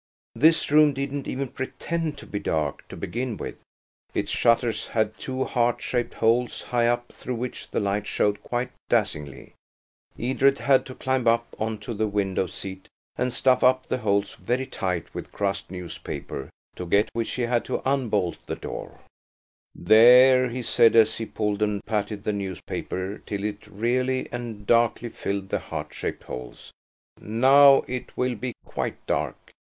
This room didn't even pretend to be dark, to begin with. Its shutters had two heart shaped holes, high up, through which the light showed quite dazzlingly. Edred had to climb up on to the window seat and stuff up the holes very tight with crushed newspaper, to get which he had to unbolt the door. "MRS. HONEYSETT WAS SITTING IN A LITTLE LOW CHAIR AT THE BACK DOOR PLUCKING A WHITE CHICKEN." "There," he said, as he pulled and patted the newspaper till it really and darkly filled the heart shaped holes, "now it will be quite dark."